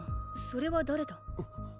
それは誰だ？